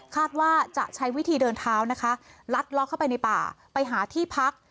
ว่าจะใช้วิธีเดินเท้านะคะลัดล็อกเข้าไปในป่าไปหาที่พัก